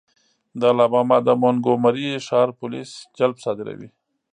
د الاباما د مونګومري ښار پولیس جلب صادروي.